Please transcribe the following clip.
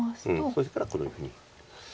そしたらこういうふうに。